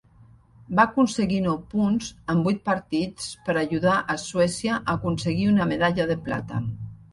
Va aconseguir nou punts en vuit partits per ajudar a Suècia a aconseguir una medalla de plata.